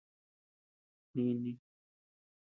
Nini.